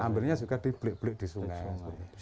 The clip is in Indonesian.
ambilnya juga di blik blik di sungai